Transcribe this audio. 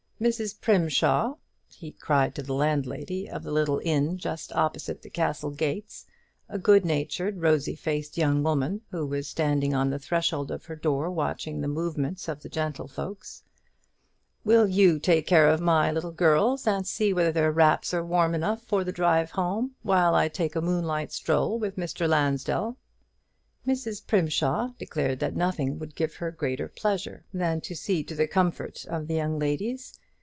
Mrs. Primshaw," he cried to the landlady of a little inn just opposite the castle gates, a good natured rosy faced young woman, who was standing on the threshold of her door watching the movements of the gentlefolks, "will you take care of my little girls, and see whether their wraps are warm enough for the drive home, while I take a moonlight stroll with Mr. Lansdell?" Mrs. Primshaw declared that nothing would give her greater pleasure than to see to the comfort of the young ladies.